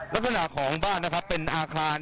ลักษณะของบ้านนะครับเป็นอาคาร